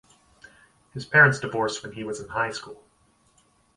His parents divorced when he was in high school.